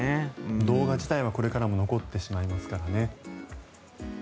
動画自体はこれからも残ってしまいますからね。